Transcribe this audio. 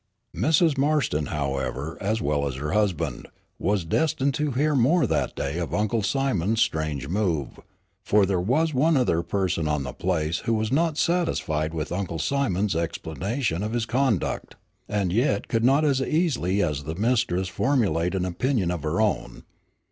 Mrs. Marston, however, as well as her husband, was destined to hear more that day of Uncle Simon's strange move, for there was one other person on the place who was not satisfied with Uncle Simon's explanation of his conduct, and yet could not as easily as the mistress formulate an opinion of her own.